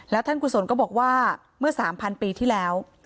แล้วท่านกุศลก็บอกว่าเมื่อ๓๐๐ปีที่แล้ว